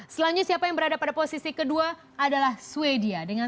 selanjutnya siapa yang berada pada posisi kedua adalah sweden